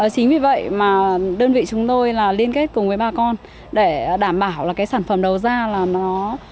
chính vì vậy mà đơn vị chúng tôi là liên kết cùng với bà con để đảm bảo là cái sản phẩm đầu ra là nó